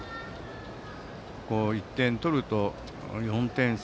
１点取ると、４点差。